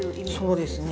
そうですね